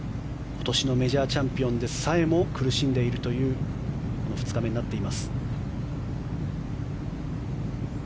今年のメジャーチャンピオンでさえも苦しんでいるという２日目になっています。